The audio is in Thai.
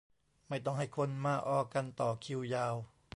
ไม่ต้องให้คนมาออกันต่อคิวยาว